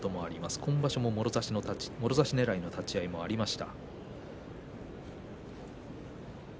今場所ももろ差しねらいの立ち合いもありました。